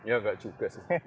ya nggak juga sih